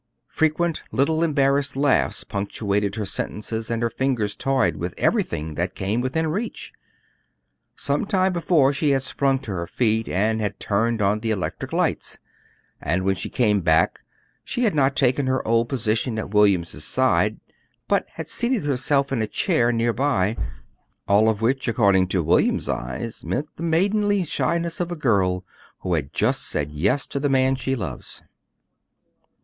Frequent little embarrassed laughs punctuated her sentences, and her fingers toyed with everything that came within reach. Some time before she had sprung to her feet and had turned on the electric lights; and when she came back she had not taken her old position at William's side, but had seated herself in a chair near by. All of which, according to William's eyes, meant the maidenly shyness of a girl who has just said "yes" to the man she loves.